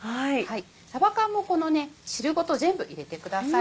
さば缶もこの汁ごと全部入れてください。